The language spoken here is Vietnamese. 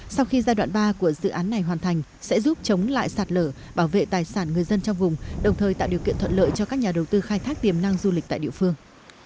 sau khi giai đoạn ba của dự án này hoàn thành sẽ giúp chống lại sạt lở bảo vệ tài sản người dân trong vùng đồng thời tạo điều kiện thuận lợi cho các nhà đầu tư khai thác tiềm năng du lịch tại địa phương